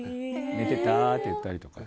寝てた？って言ったりとか。